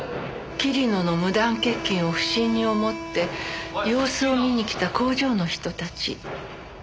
桐野の無断欠勤を不審に思って様子を見に来た工場の人たち。